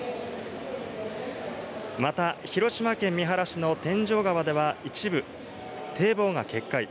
また広島県三原市の天井川では一部堤防が決壊。